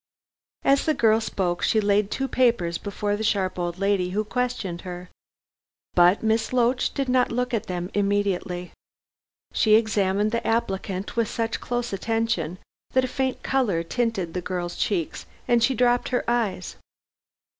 As the girl spoke she laid two papers before the sharp old lady who questioned her. But Miss Loach did not look at them immediately. She examined the applicant with such close attention that a faint color tinted the girl's cheeks and she dropped her eyes.